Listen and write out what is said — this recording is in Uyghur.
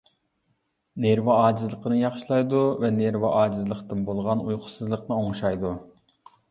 نېرۋا ئاجىزلىقنى ياخشىلايدۇ ۋە نېرۋا ئاجىزلىقتىن بولغان ئۇيقۇسىزلىقنى ئوڭشايدۇ.